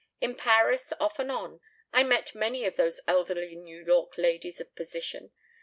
In Paris, off and on, I met many of those elderly New York ladies of position.